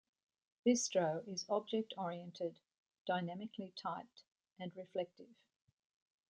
Bistro is object oriented, dynamically typed, and reflective.